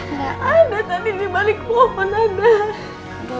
nggak ada tadi di balik pohon ada